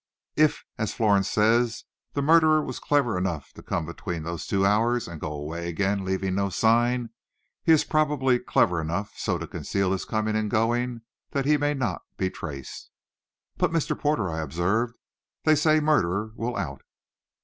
If, as Florence says, the murderer was clever enough to come between those two hours, and go away again, leaving no sign, he is probably clever enough so to conceal his coming and going that he may not be traced." "But, Mr. Porter," I observed, "they say murder will out."